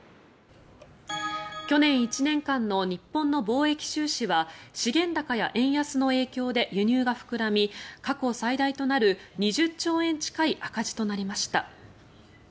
去年１年間の日本の貿易収支は資源高や円安の影響で輸入が膨らみ過去最大となる２０兆円近い赤字となりました。